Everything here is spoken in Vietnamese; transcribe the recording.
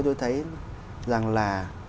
tôi thấy rằng là